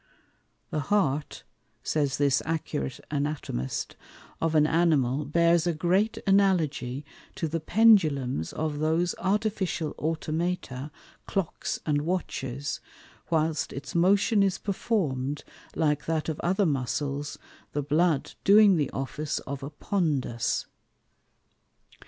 _The Heart (says this accurate Anatomist) of an Animal bears a great Analogy to the Pendulums of those Artificial Automata, Clocks and Watches, whilst its motion is performed like that of other Muscles, the Blood doing the Office of a Pondus.